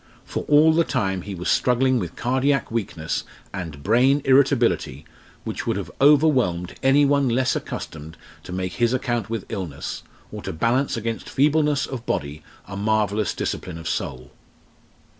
For all the time he was struggling with cardiac weakness and brain irritability which would have overwhelmed any one less accustomed to make his account with illness, or to balance against feebleness of body a marvellous discipline of soul.